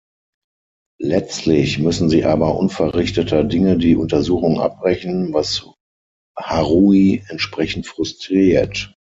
Letztlich müssen sie aber unverrichteter Dinge die Untersuchung abbrechen, was Haruhi entsprechend frustriert.